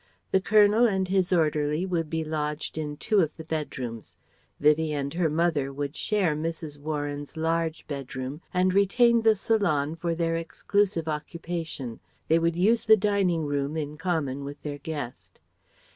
The Colonel and his orderly would be lodged in two of the bedrooms. Vivie and her mother would share Mrs. Warren's large bedroom and retain the salon for their exclusive occupation. They would use the dining room in common with their guest.